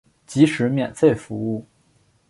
即使免费服务